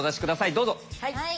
どうぞ。